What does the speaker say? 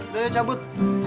lo yuk cabut